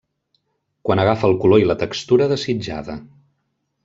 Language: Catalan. Quan agafa el color i la textura desitjada.